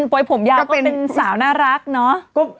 ปล่อยผมยาวก็เป็นสาวน่ารักเนาะ